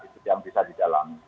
itu yang bisa didalami